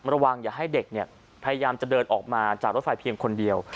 ระวังอย่าให้เด็กพยายามจะเดินออกมาจากรถไฟเพียงคนเดียว